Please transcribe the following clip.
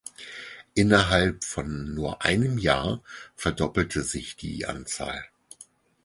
Innerhalb von nur einem Jahr verdoppelte sich die Anzahl.